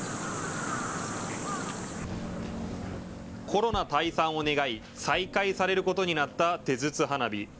コロナ退散を願い再開されることになった手筒花火。